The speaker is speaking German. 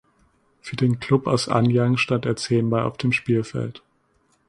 Für den Klub aus Anyang stand er zehnmal auf dem Spielfeld.